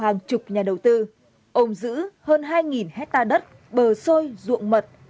hàng chục nhà đầu tư ông giữ hơn hai hecta đất bờ sôi ruộng mật